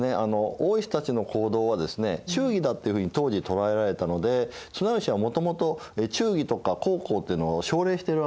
大石たちの行動はですね忠義だっていうふうに当時捉えられたので綱吉はもともと忠義とか孝行っていうのを奨励しているわけですよね。